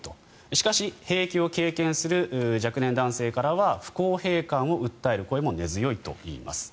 しかし、兵役を経験する若年男性からは不公平感を訴える声も根強いといいます。